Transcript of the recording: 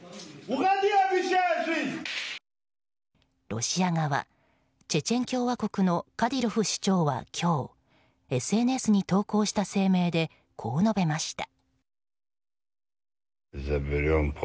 ロシア側チェチェン共和国のカディロフ首長は今日ＳＮＳに投稿した声明でこう述べました。